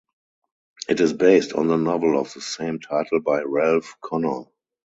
It is based on the novel of the same title by Ralph Connor.